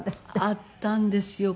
あったんですよ。